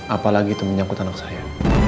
apalagi itu menyangkut anak saya